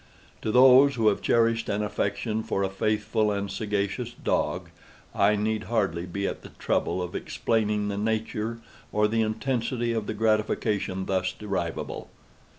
To those who have cherished an affection for a faithful and sagacious dog, I need hardly be at the trouble of explaining the nature or the intensity of the gratification thus derivable.